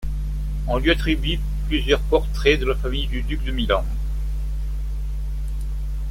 On lui attribue plusieurs portraits de la famille du duc de Milan.